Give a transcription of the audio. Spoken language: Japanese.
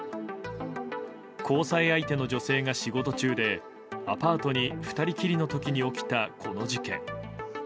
交際相手の女性が仕事中でアパートに２人きりの時に起きたこの事件。